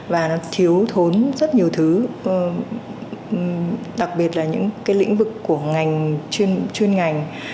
và nó thiếu thốn rất nhiều thứ đặc biệt là những cái lĩnh vực của ngành chuyên ngành